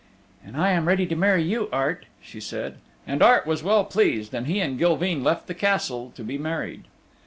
"And I am ready to marry you, Art," she said. And Art was well pleased, and he and Gilveen left the Castle to be married.